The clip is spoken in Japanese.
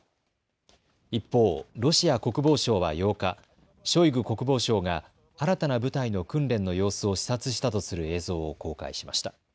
一方、ロシア国防省は８日、ショイグ国防相が新たな部隊の訓練の様子を視察したとする映像を公開しました。